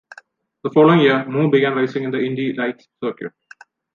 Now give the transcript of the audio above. The following year, Moore began racing in the Indy Lights circuit.